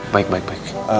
baik baik baik